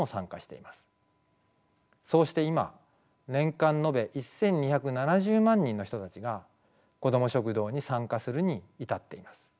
そうして今年間延べ１，２７０万人の人たちがこども食堂に参加するに至っています。